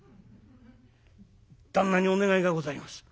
「旦那にお願いがございます」。